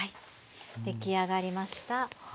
出来上がりました。